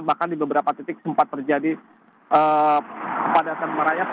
bahkan di beberapa titik sempat terjadi kepadatan merayap